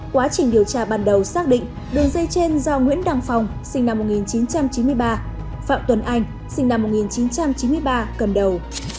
quá trình điều tra ban đầu xác định đường dây trên do nguyễn đăng phong sinh năm một nghìn chín trăm chín mươi ba phạm tuấn anh sinh năm một nghìn chín trăm chín mươi ba cầm đầu